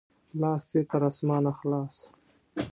لاس دې تر اسمانه خلاص!